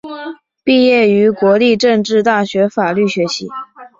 毕业于国立政治大学法律学系。